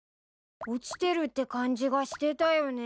落ちてるって感じがしてたよね。